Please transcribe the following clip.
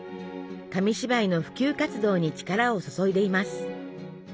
紙芝居の普及活動に力を注いでいます。